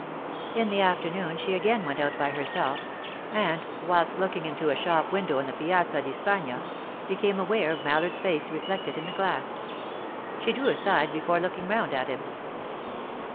In the afternoon she again went out by herself, and, whilst looking into a shop window in the Piazza di Spagna, became aware of Mallard's face reflected in the glass. She drew aside before looking round at him.